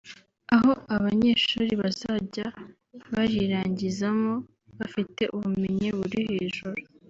aho abanyeshuri bazajya barirangizamo bafite ubumenyi buri hejuru